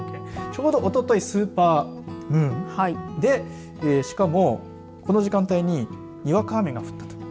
ちょうどおとといスーパームーンでしかも、この時間帯ににわか雨が降ったと。